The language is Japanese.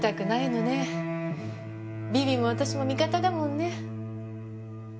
ビビも私も味方だもんね。